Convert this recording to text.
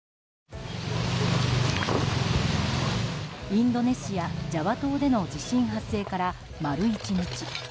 インドネシア・ジャワ島での地震発生から丸１日。